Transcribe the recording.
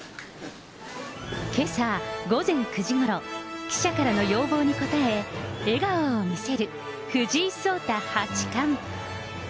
けさ午前９時ごろ、要望に応え、笑顔を見せる藤井聡太八冠。